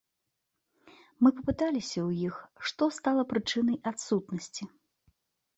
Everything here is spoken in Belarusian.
Мы папыталіся ў іх, што стала прычынай адсутнасці.